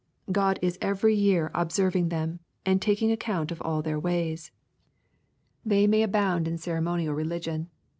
God is every year observing LUKE, CHAP. XIII. 115 them^ and taking account of all their ways. They may abouml in ceremonial religion.